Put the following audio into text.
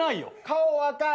顔赤い。